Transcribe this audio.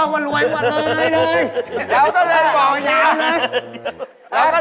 ไอ้นี่เล่นทั้งตัว